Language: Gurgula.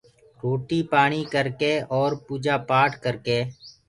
روٽيٚ پاڻيٚ ڪر ڪي اور پوٚجا پاٽ ڪر ڪي۔